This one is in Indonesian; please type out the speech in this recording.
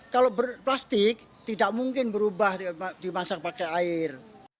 kalau plastik tidak mungkin berubah dimasak pakai air